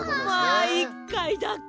まあ１かいだけ？